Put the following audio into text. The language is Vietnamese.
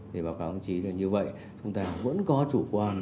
thì báo cáo công chí là như vậy chúng ta vẫn có chủ quan